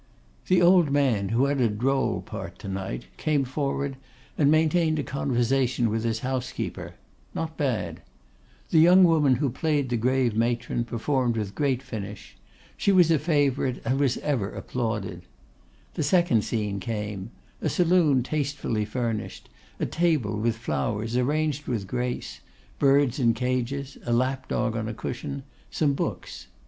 The old man, who had a droll part to night, came forward and maintained a conversation with his housekeeper; not bad. The young woman who played the grave matron performed with great finish. She was a favourite, and was ever applauded. The second scene came; a saloon tastefully furnished; a table with flowers, arranged with grace; birds in cages, a lap dog on a cushion; some books.